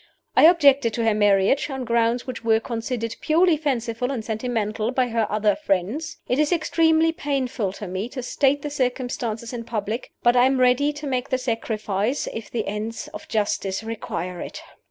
I objected to her marriage, on grounds which were considered purely fanciful and sentimental by her other friends. It is extremely painful to me to state the circumstances in public, but I am ready to make the sacrifice if the ends of justice require it.